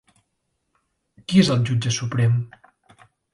Qui és el jutge suprem?